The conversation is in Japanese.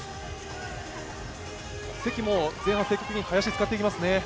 関も前半、積極的に林を使っていきますね。